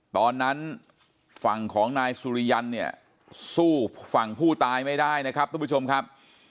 ตอนนั้นฝั่งของนายสุริยันเนี่ยสู้ฝั่งผู้ตายไม่ได้นะครับทุกผู้ชมครับ